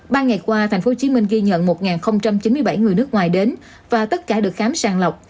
ba ngày qua tp hcm ghi nhận một chín mươi bảy người nước ngoài đến và tất cả được khám sàng lọc